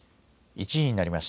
１時になりました。